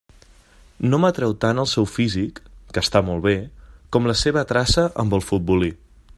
No m'atreu tant el seu físic, que està molt bé, com la seva traça amb el futbolí.